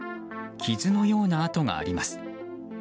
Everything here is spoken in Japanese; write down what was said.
傷のような跡があります。